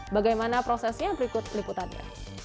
bagaimana prosesnya berikut peliputannya